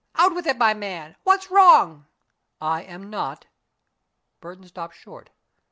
Out with it, my man. What's wrong?" "I am not " Burton stopped short.